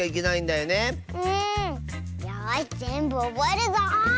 よしぜんぶおぼえるぞ！